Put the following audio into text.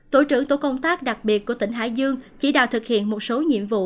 tổ trưởng tổ công tác đặc biệt của tỉnh hải dương chỉ đạo thực hiện một số nhiệm vụ